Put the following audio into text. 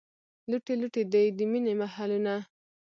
لوټې لوټې دي، د مینې محلونه